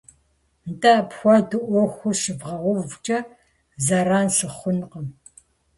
– НтӀэ, апхуэдэу Ӏуэхур щывгъэувкӀэ, зэран сыхъункъым.